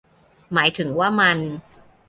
หมายถึงว่า มัน